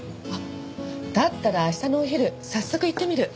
だったら明日のお昼早速行ってみる。